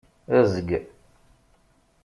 Ezg.